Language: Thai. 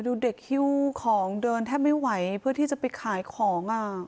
ดูเด็กฮิ้วของเดินแทบไม่ไหวเพื่อที่จะไปขายของอ่ะ